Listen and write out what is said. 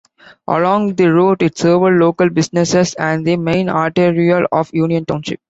Along the route, it serves local businesses and the main arterial of Union Township.